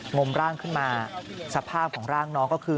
มร่างขึ้นมาสภาพของร่างน้องก็คือ